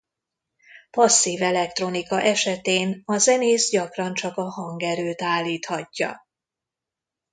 Passzív elektronika esetén a zenész gyakran csak a hangerőt állíthatja.